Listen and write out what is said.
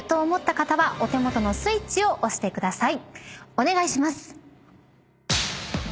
お願いします。